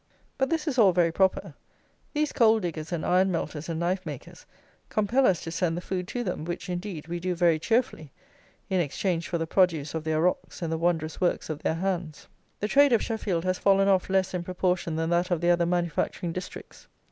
But this is all very proper: these coal diggers, and iron melters, and knife makers, compel us to send the food to them, which, indeed, we do very cheerfully, in exchange for the produce of their rocks, and the wondrous works of their hands. The trade of Sheffield has fallen off less in proportion than that of the other manufacturing districts.